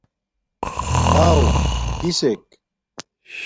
آو؟ کِسݵک؟